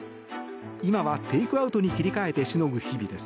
今はテイクアウトに切り替えてしのぐ日々です。